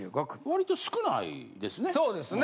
わりと少ないですね。